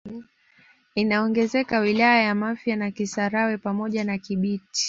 Inaongezeka wilaya ya Mafia na Kisarawe pamoja na Kibiti